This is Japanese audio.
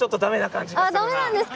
あっダメなんですか？